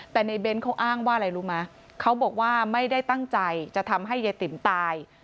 แต่ในเบ้นเขาอ้างว่าอะไรรู้ไหมเขาบอกว่าไม่ได้ตั้งใจจะทำให้ยายติ๋มตาย